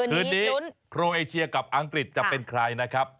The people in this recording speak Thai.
คืนนี้โครเอเชียกับอังกฤษจะเป็นใครนะครับ